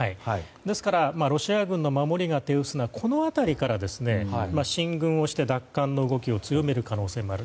ですからロシア軍の守りが手薄なこの辺りから、進軍して奪還の動きを強める可能性がある。